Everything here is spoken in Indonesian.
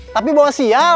tapi bawa sial